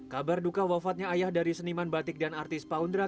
kabar duka wafatnya ayah dari seniman batik dan artis paundra